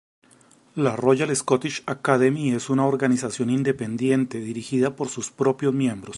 La "Royal Scottish Academy" es una organización independiente dirigida por sus propios miembros.